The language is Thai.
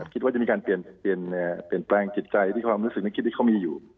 คิดว่าจะมีการเปลี่ยนแปลงจิตใจที่ความรู้สึกยังคิดที่เขามีอยู่